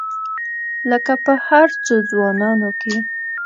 لکه په هرو څو ځوانانو کې.